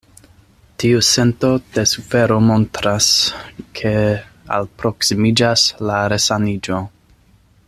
Tiu sento de sufero montras, ke alproksimiĝas la resaniĝo.